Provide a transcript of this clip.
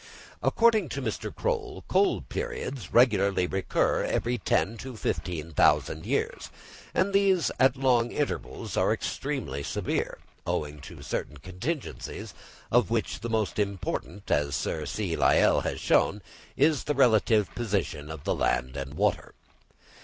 According to Mr. Croll, cold periods regularly recur every ten or fifteen thousand years; and these at long intervals are extremely severe, owing to certain contingencies, of which the most important, as Sir C. Lyell has shown, is the relative position of the land and water.